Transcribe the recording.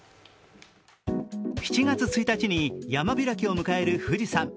７月１日に山開きを迎える富士山。